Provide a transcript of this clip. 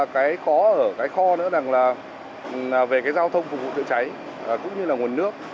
cái khó ở cái kho nữa rằng là về cái giao thông phục vụ chữa cháy cũng như là nguồn nước